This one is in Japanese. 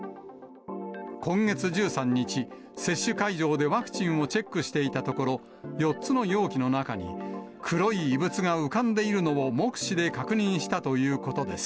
今月１３日、接種会場でワクチンをチェックしていたところ、４つの容器の中に、黒い異物が浮かんでいるのを目視で確認したということです。